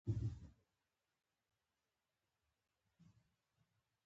د برټانوي هند ویسرا سر جان لارنس هغه په رسمیت وپېژانده.